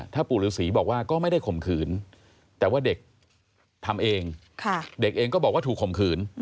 ถ้าปู่ฤษีบอกว่าก็ไม่ได้ข่มขืนแต่ว่าเด็กทำเองเด็กเองก็บอกว่าถูกข่มขืน